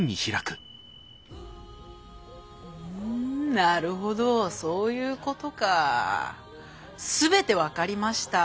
なるほどそういうことか全て分かりました。